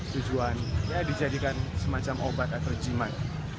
tujuan dia dijadikan semacam obat afrojimat